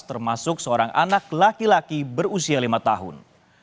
termasuk seorang anak laki laki berusia lima tahun